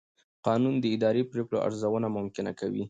قانون د اداري پرېکړو ارزونه ممکن کوي.